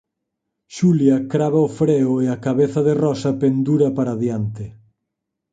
Xulia crava o freo e a cabeza de Rosa pendura para diante.